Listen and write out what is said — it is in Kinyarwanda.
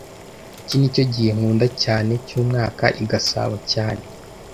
Iki nicyo gihe nkunda cyane cyumwaka i Gasabo cyane